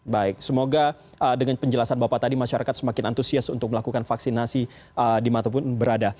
baik semoga dengan penjelasan bapak tadi masyarakat semakin antusias untuk melakukan vaksinasi dimanapun berada